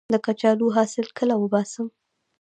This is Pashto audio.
د کچالو حاصل کله وباسم؟